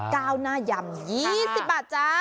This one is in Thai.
ก้าวน่ายำ๒๐บาทจ๊ะ